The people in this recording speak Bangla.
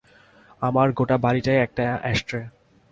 আমার গোটা বাড়িটাই একটা অ্যাশট্রে।